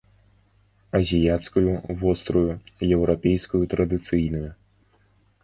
Азіяцкую, вострую, еўрапейскую традыцыйную.